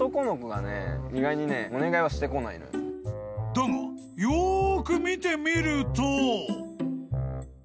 ［だがよーく見てみると］